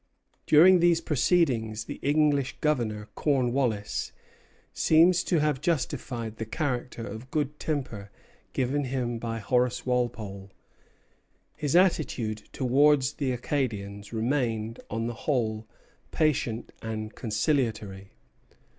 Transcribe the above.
During these proceedings, the English Governor, Cornwallis, seems to have justified the character of good temper given him by Horace Walpole. His attitude towards the Acadians remained on the whole patient and conciliatory.